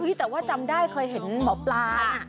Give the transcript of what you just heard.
แต่ว่าจำได้เคยเห็นหมอปลา